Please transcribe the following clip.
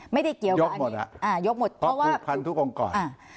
ไม่ได้เกี่ยวกับอันนี้ยกหมดเพราะว่ายกหมดเพราะผูกพันธุ์ทุกองกร